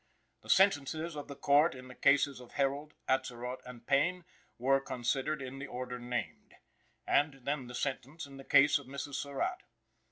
The sentences of the court in the cases of Herold, Atzerodt and Payne, were considered in the order named, and then the sentence in the case of Mrs. Surratt.